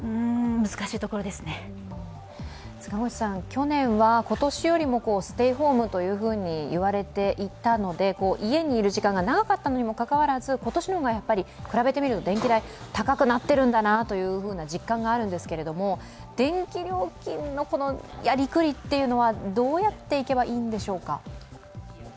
去年は今年よりもステイホームと言われていたので家にいる時間が長かったのにもかかわらず今年の方が比べてみると電気代が高くなっているんだなという実感があるんですけれども電気料金のやりくりというのはどうやっていけばいいんでしょうか。